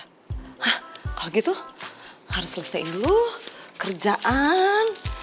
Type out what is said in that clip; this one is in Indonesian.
nah kalau gitu harus selesaiin dulu kerjaan